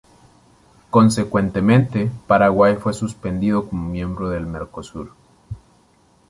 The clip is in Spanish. Consecuentemente, Paraguay fue suspendido como miembro del Mercosur.